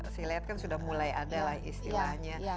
saya lihat kan sudah mulai ada lah istilahnya